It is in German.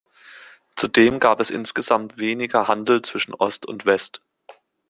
Zudem gab es insgesamt weniger Handel zwischen Ost und West.